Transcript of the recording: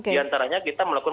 di antaranya kita melakukan